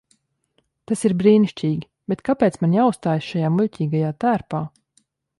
Tas ir brīnišķīgi, bet kāpēc man jāuzstājas šajā muļķīgajā tērpā?